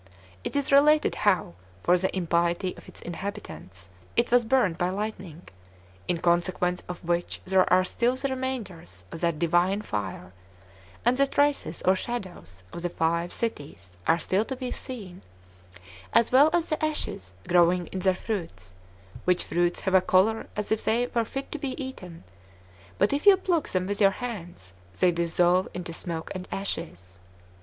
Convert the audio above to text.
It is related how, for the impiety of its inhabitants, it was burnt by lightning; in consequence of which there are still the remainders of that Divine fire, and the traces [or shadows] of the five cities are still to be seen, as well as the ashes growing in their fruits; which fruits have a color as if they were fit to be eaten, but if you pluck them with your hands, they dissolve into smoke and ashes.